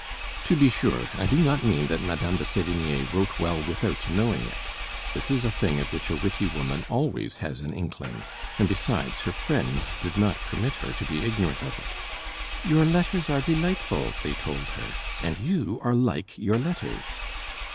To be sure, I do not mean that Madame de Sévigné wrote well without knowing it. This is a thing of which a witty woman always has an inkling; and besides, her friends did not permit her to be ignorant of it. "Your letters are delightful," they told her, "and you are like your letters."